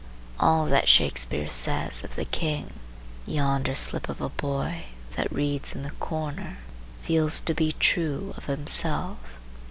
All that Shakspeare says of the king, yonder slip of a boy that reads in the corner feels to be true of himself.